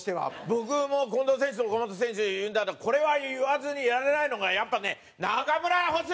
僕も近藤選手と岡本選手言うんならこれは言わずにいられないのがやっぱね中村捕手！